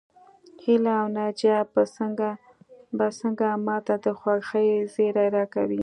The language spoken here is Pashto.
هيله او ناجيه به څنګه ماته د خوښۍ زيری راکړي